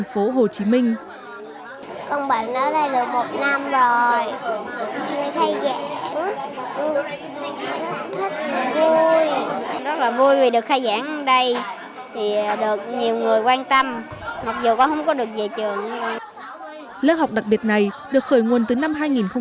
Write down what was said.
lễ khai giảng rất vui rất là vui vì được khai giảng ở đây được nhiều người quan tâm mặc dù không có được về trường